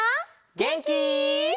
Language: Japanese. げんき？